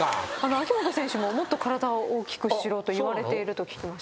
秋本選手ももっと体を大きくしろと言われていると聞きました。